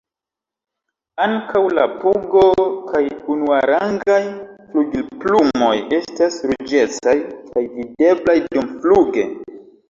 Ankaŭ la pugo kaj unuarangaj flugilplumoj estas ruĝecaj kaj videblaj dumfluge.